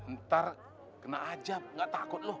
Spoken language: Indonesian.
ntar kena ajab nggak takut loh